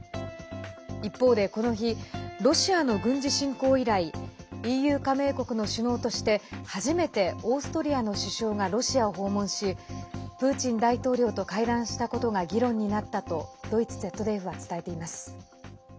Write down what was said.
一方で、この日ロシアの軍事侵攻以来ＥＵ加盟国の首脳として初めてオーストリアの首相がロシアを訪問しプーチン大統領と会談したことが議論になったとドイツＺＤＦが伝えています。